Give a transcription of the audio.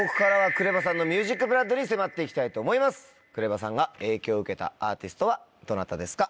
ＫＲＥＶＡさんが影響を受けたアーティストはどなたですか？